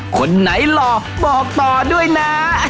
คนไหนหล่อบอกต่อด้วยนะ